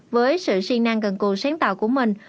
với sự siêng năng cần cù sáng tạo của mình